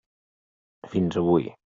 Fins avui.